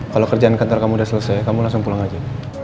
kalau kerjaan kantor kamu udah selesai kamu langsung pulang aja